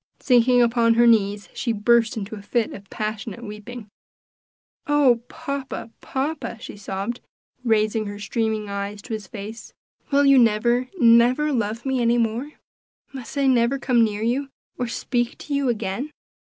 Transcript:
Sinking upon her knees she burst into a fit of passionate weeping. "Oh! papa, papa!" she sobbed, raising her streaming eyes to his face, "will you never, never love me any more? must I never come near you, or speak to you again?"